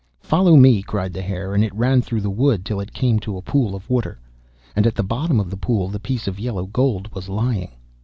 'Follow me,' cried the Hare, and it ran through the wood till it came to a pool of water. And at the bottom of the pool the piece of yellow gold was lying.